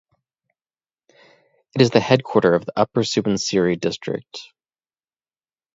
It is the headquarter of Upper Subansiri district.